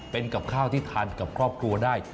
เป็นกับข้าวที่ทานกับครอบครัวได้